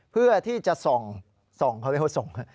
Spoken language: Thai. เพื่อที่จะส่องเขาเรียกว่าส่อง